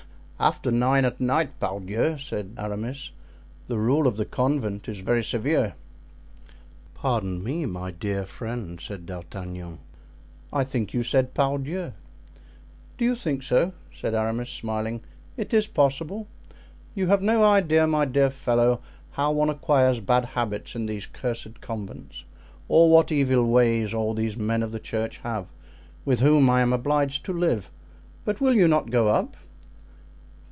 "After nine at night, pardieu!" said Aramis, "the rule of the convent is very severe." "Pardon me, my dear friend," said D'Artagnan, "I think you said 'pardieu!'" "Do you think so?" said Aramis, smiling; "it is possible. You have no idea, my dear fellow, how one acquires bad habits in these cursed convents, or what evil ways all these men of the church have, with whom I am obliged to live. But will you not go up?"